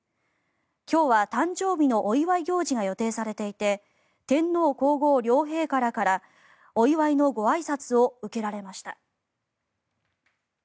今日は誕生日のお祝い行事が予定されていて天皇・皇后両陛下らからお祝いのごあいさつを受けられました。